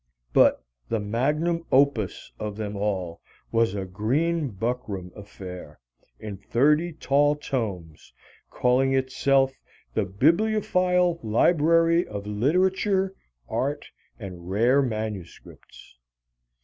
But the magnum opus of them all was a green buckram affair in thirty tall tomes calling itself "The Bibliophile Library of Literature, Art and Rare Manuscripts."